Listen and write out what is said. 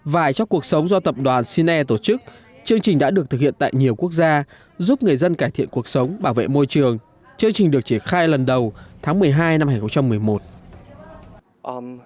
và trong cuộc sống do tập đoàn sine tổ chức chương trình đã được thực hiện tại nhiều quốc gia giúp người dân cải thiện cuộc sống bảo vệ môi trường chương trình được triển khai lần đầu tháng một mươi hai năm hai nghìn một mươi một